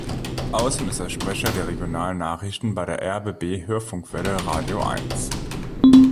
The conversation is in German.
Außerdem ist er Sprecher der regionalen Nachrichten bei der rbb-Hörfunkwelle radioeins.